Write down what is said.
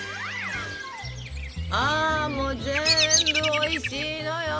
あもう全部おいしいのよ！